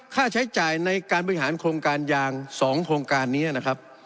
ค่าใช้จ่ายในการบริหารโครงการยาง๒โครงการนี้นะครับ